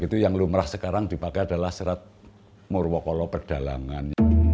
itu yang lumrah sekarang dipakai adalah serat murwokolo pedalangan